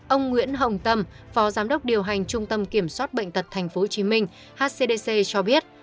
ông nguyễn hồng tâm phó giám đốc điều hành trung tâm kiểm soát bệnh tật tp hcm hcdc cho biết